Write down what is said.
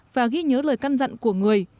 và ghi nhớ lời căn dặn của người